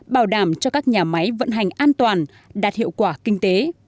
bảo đảm cho các nhà máy vận hành an toàn đạt hiệu quả kinh tế